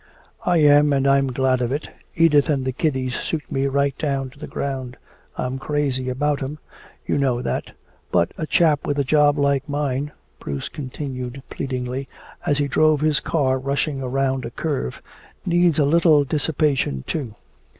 "I am and I'm glad of it. Edith and the kiddies suit me right down to the ground. I'm crazy about 'em you know that. But a chap with a job like mine," Bruce continued pleadingly, as he drove his car rushing around a curve, "needs a little dissipation, too.